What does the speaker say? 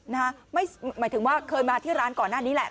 หมายถึงว่าเคยมาที่ร้านก่อนหน้านี้แหละ